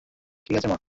ঠিক আছে, মা।